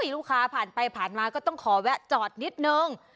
ลูกค้าผ่านไปผ่านมาก็ต้องขอแวะจอดนิดนึง